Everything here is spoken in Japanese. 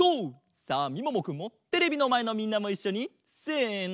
さあみももくんもテレビのまえのみんなもいっしょにせの！